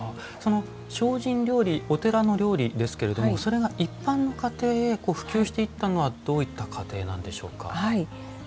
その精進料理お寺の料理ですけれどもそれが一般の家庭へ普及していったのはどういった過程なんでしょうか？